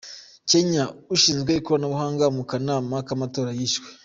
Kenya: Ushinzwe ikoranabuhanga mu kanama k'amatora yishwe.